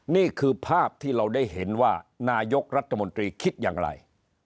นี่คือภาพที่เราได้เห็นว่านายกรัฐมนตรีคิดอย่างไร